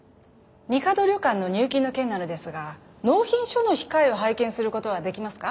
みかど旅館の入金の件なのですが納品書の控えを拝見することはできますか？